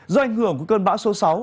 do ảnh hưởng của cơn bão số sáu